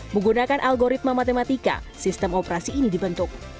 menggunakan algoritma matematika sistem operasi ini dibentuk